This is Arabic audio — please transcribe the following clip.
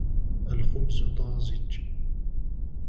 الخبز طازج.